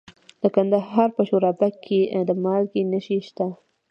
د کندهار په شورابک کې د مالګې نښې شته.